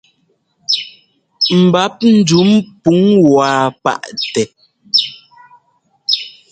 Ḿbap ndǔm pǔŋ wá paʼtɛ.